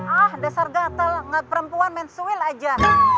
ah dasar gatel perempuan mensuil aja